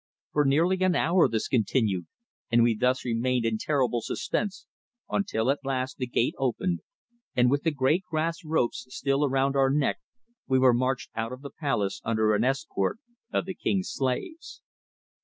For nearly an hour this continued, and we thus remained in terrible suspense until at last the gate opened, and with the grass ropes still around our neck we were marched out of the palace under an escort of the king's slaves.